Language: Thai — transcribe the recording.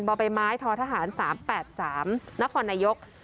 บใบไม้ททหาร๓๘๓นครนายก